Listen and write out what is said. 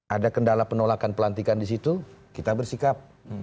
ada kendala penolakan pelantikan di situ kita bersikap